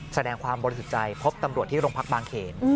แสดงความบริสุทธิ์ใจพบตำรวจที่โรงพักบางเขน